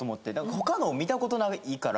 他のを見た事ないから。